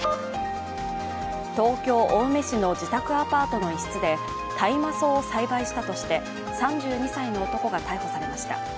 東京・青梅市の自宅アパートの一室で大麻草を栽培したとして３２歳の男が逮捕されました。